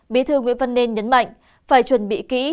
bí thư nguyễn văn nên nhấn mạnh phải chuẩn bị kỹ